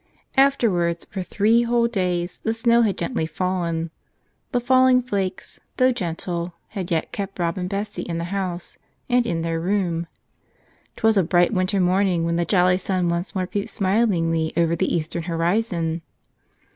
Afterwards, for three whole days, the snow had gently fallen. The falling flakes, though gentle, had yet kept Rob and Bessie in the house and in their room. 'Twas a bright winter morning when the jolly sun once more peeped smilingly over the eastern horizon.